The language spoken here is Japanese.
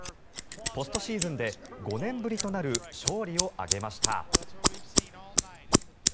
ポストシーズンで５年ぶりとなる勝利を挙げました。